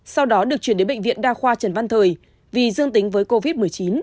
sau đó được chuyển đến bệnh viện đa khoa trần văn thời vì dương tính với covid một mươi chín